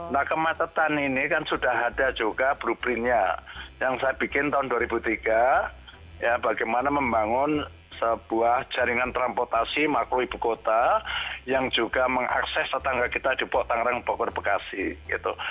nah kemacetan ini kan sudah ada juga blueprintnya yang saya bikin tahun dua ribu tiga ya bagaimana membangun sebuah jaringan transportasi makro ibu kota yang juga mengakses tetangga kita di tangerang bogor bekasi gitu